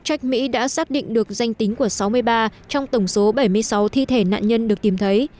các nhà chức mỹ đã xác định được danh tính của sáu mươi ba trong tổng số bảy mươi sáu thi thể nạn nhân được tìm thấy